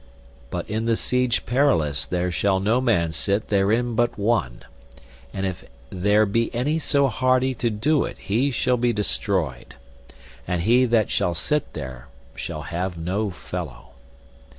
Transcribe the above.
But in the Siege Perilous there shall no man sit therein but one, and if there be any so hardy to do it he shall be destroyed, and he that shall sit there shall have no fellow.